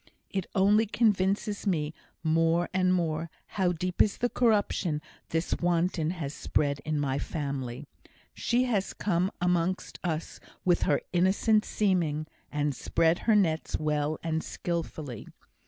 "It only convinces me more and more how deep is the corruption this wanton has spread in my family. She has come amongst us with her innocent seeming, and spread her nets well and skilfully.